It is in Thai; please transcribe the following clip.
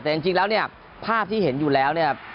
แต่จริงแล้วภาพที่เห็นอยู่แล้ว